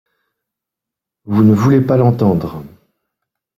Vous ne voulez pas l’entendre.